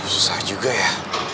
susah juga ya